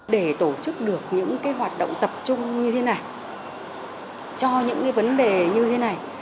để tổ chức được những hoạt động tập trung như thế này cho những vấn đề như thế này